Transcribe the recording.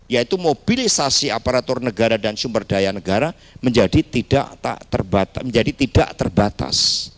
yaitu mobilisasi aparatur negara dan sumber daya negara menjadi tidak terbatas